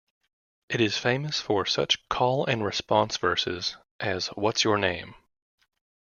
It is famous for such call-and-response verses as What's your name?